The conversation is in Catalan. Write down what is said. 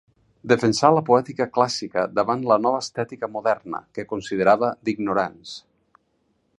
Defensà la poètica clàssica davant la nova estètica moderna, que considerava d'ignorants.